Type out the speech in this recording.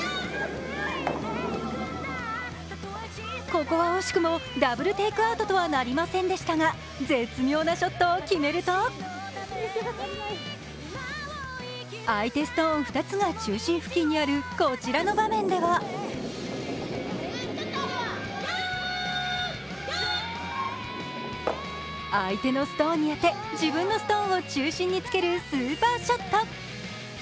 ここは惜しくもダブルテイクアウトとはなりませんでしたが絶妙なショットを決めると相手ストーン２つが中心付近にあるこちらの場面では相手のストーンに当て、自分のストーン中心につけるスーパーショット。